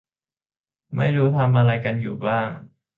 ไม่รู้ทำอะไรกันอยู่บ้าง